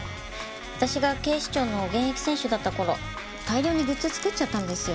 私が警視庁の現役選手だった頃大量にグッズ作っちゃったんですよ。